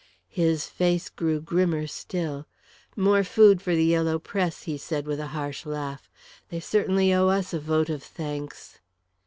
His face grew grimmer still. "More food for the yellow press," he said, with a harsh laugh. "They certainly owe us a vote of thanks."